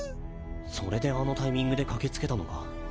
それであのタイミングで駆け付けたのか。